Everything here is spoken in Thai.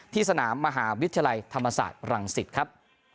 สนามมหาวิทยาลัยธรรมศาสตร์รังสิตครับ